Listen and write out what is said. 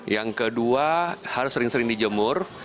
yang kedua harus sering sering dijemur